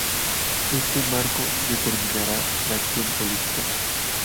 Este marco determinará la acción política.